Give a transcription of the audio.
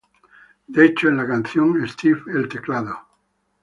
De hecho en la canción, Steve el teclado.